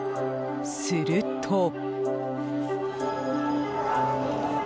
すると。